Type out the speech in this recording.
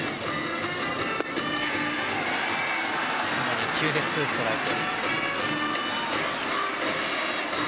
２球でツーストライク。